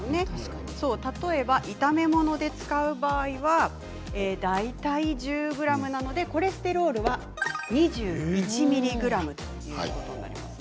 例えば炒め物で使う場合は大体１０ｇなのでコレステロールは２１ｍｇ。